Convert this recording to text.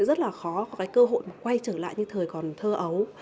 rất là khó có cái cơ hội mà quay trở lại như thời còn thơ ấu